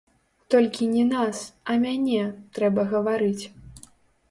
Толькі не нас, а мяне, трэба гаварыць.